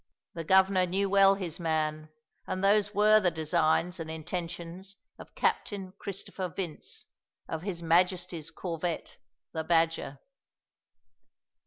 The Governor knew well his man, and those were the designs and intentions of Captain Christopher Vince of his Majesty's corvette the Badger.